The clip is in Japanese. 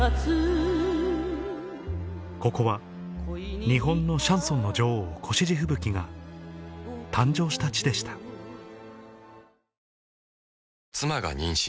ここは日本のシャンソンの女王越路吹雪が誕生した地でした妻が妊娠。